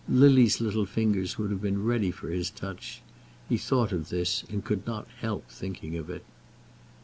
Lily's little fingers would have been ready for his touch. He thought of this, and could not help thinking of it.